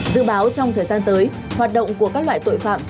dự báo trong thời gian tới hoạt động của các loại tội phạm